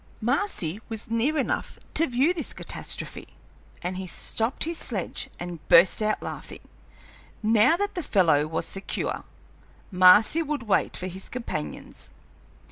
Marcy was near enough to view this catastrophe, and he stopped his sledge and burst out laughing. Now that the fellow was secure, Marcy would wait for his companions.